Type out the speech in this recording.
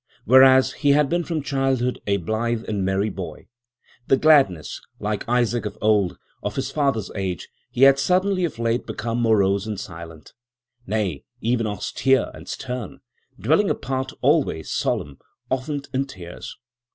Whereas he had been from childhood a blithe and merry boy, 'the gladness,' like Isaac of old, of his father's age, he had suddenly of late become morose and silent—nay, even austere and stern—dwelling apart, always solemn, often in tears.